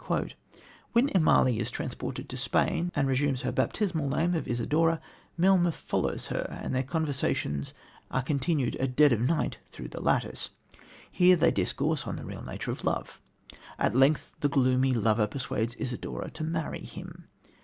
When Immalee is transported to Spain and reassumes her baptismal name of Isidora, Melmoth follows her and their conversations are continued at dead of night through the lattice. Here they discourse on the real nature of love. At length the gloomy lover persuades Isidora to marry him.